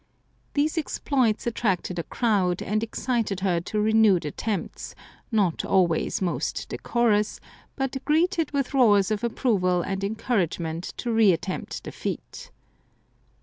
These exploits attracted a crowd, and excited her to renewed attempts, not always most decorous, but greeted with roars of approval and encouragement to re attempt the feat.